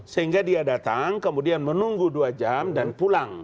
sehingga dia datang kemudian menunggu dua jam dan pulang